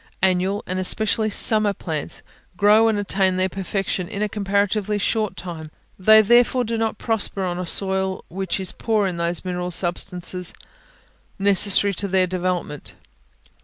Annual, and especially summer plants, grow and attain their perfection in a comparatively short time; they therefore do not prosper on a soil which is poor in those mineral substances necessary to their development.